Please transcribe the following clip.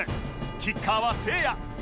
キッカーはせいや